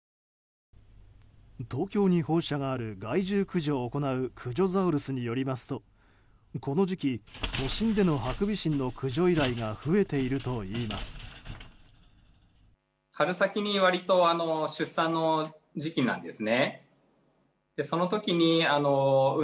東京に本社がある害獣駆除を行う駆除ザウルスによりますとこの時期、都心でのハクビシンの駆除依頼が増えているといいます。